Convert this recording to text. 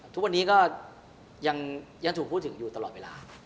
ทุกวันนี้ก็ยังถูกพูดถึงอยู่ตลอดเวลา